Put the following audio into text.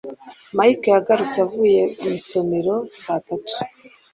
Mike yagarutse avuye mu isomero saa tanu